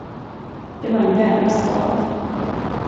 Det var en djävla stad.